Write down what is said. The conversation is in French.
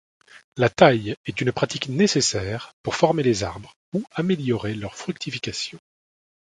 La taille est une pratique nécessaire pour former les arbres ou améliorer leur fructification.